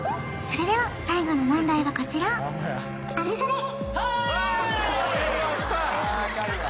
それでは最後の問題はこちらハーイ！